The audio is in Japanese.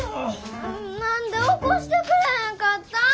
何で起こしてくれへんかったん？